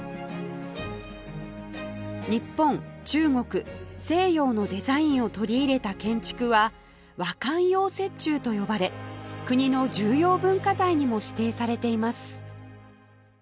日本中国西洋のデザインを取り入れた建築は和漢洋折衷と呼ばれ国の重要文化財にも指定されています